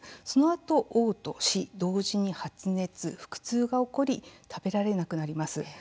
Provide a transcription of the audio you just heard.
そのあと、おう吐して同時に発熱腹痛が起こり食べられなくなります。